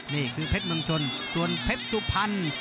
นี่คือเพชรเมืองชนส่วนเพชรสุพรรณ